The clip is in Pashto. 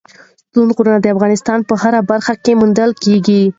ستوني غرونه د افغانستان په هره برخه کې موندل کېږي.